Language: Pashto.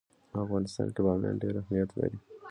په افغانستان کې بامیان ډېر اهمیت لري.